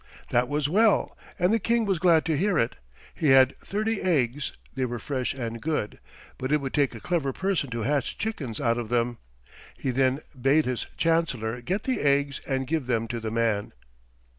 That was well, and the King was glad to hear it. He had thirty eggs; they were fresh and good, but it would take a clever person to hatch chickens out of them. He then bade his chancellor get the eggs and give them to the man.